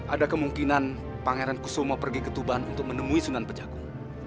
ada kemungkinan pangeran kusuma pergi ke tuban untuk menemui sunan pejagung